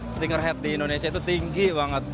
stiker head di indonesia itu tinggi banget